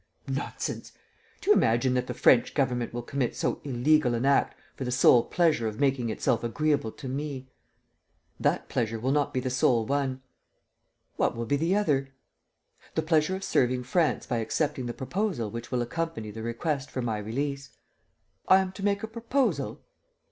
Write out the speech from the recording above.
..." "Nonsense! Do you imagine that the French government will commit so illegal an act for the sole pleasure of making itself agreeable to me?" "That pleasure will not be the sole one." "What will be the other?" "The pleasure of serving France by accepting the proposal which will accompany the request for my release." "I am to make a proposal?